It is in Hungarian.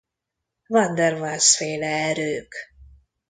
Van der Waals-féle erők.